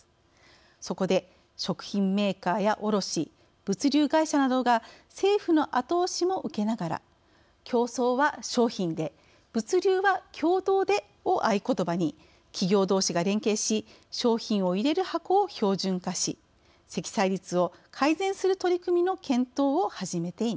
そこで食品メーカーや卸物流会社などが政府の後押しも受けながら「競争は商品で物流は共同で」を合言葉に企業どうしが連携し商品を入れる箱を標準化し積載率を改善する取り組みの検討を始めています。